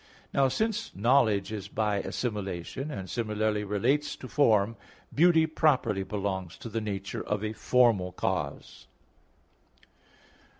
Now since knowledge is by assimilation, and similarity relates to form, beauty properly belongs to the nature of a formal cause.